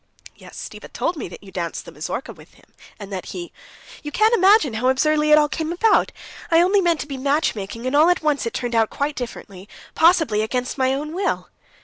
"Yes, Stiva told me you danced the mazurka with him, and that he...." "You can't imagine how absurdly it all came about. I only meant to be matchmaking, and all at once it turned out quite differently. Possibly against my own will...."